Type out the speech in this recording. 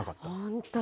本当。